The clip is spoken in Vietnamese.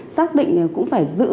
xác định cũng phải giữ